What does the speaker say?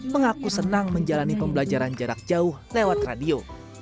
mengaku senang menjalani pembelajaran jarak jauh lewat radio